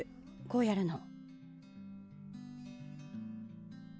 こうやるの。